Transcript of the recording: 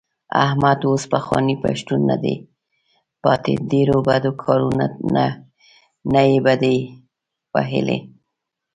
احمد اوس پخوانی پښتون نه دی پاتې. ډېرو بدو کارو ته یې بډې وهلې.